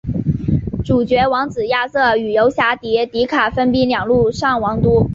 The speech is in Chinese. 主角王子亚瑟与游侠迪迪卡兵分两路上王都。